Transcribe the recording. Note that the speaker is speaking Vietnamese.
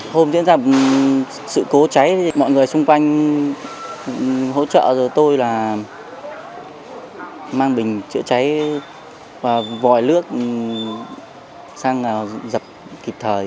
hôm tiến ra sự cố cháy mọi người xung quanh hỗ trợ rồi tôi là mang bình chữa cháy và vòi lước sang dập kịp thời